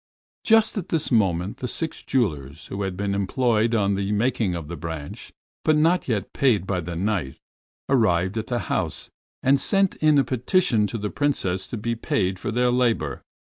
Just at this moment the six jewelers, who had been employed on the making of the branch, but not yet paid by the Knight, arrived at the house and sent in a petition to the Princess to be paid for their labor.